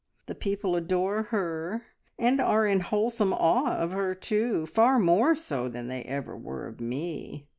The people adore her, and are in wholesome awe of her, too far more so than they ever were of me.